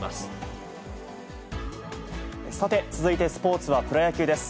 さて、続いてスポーツはプロ野球です。